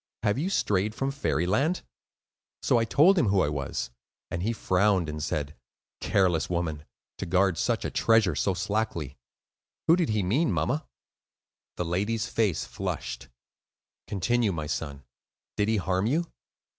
Have you strayed from Fairyland?' "So I told him who I was, and he frowned and said, 'Careless woman, to guard such a treasure so slackly.' Who did he mean, mamma?" The lady's face flushed. "Continue, my son; did he harm you?"